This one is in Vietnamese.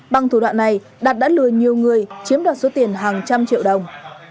bằng thủ đoạn này đạt đã lừa nhiều người chiếm đoạt số tiền hàng trăm triệu đồng